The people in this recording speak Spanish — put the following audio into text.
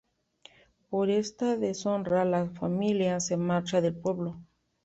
Por esta deshonra la familia se marcha del pueblo.